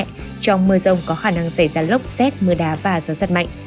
trong mưa rông có khả năng xảy ra lốc xét mưa đá và gió rất mạnh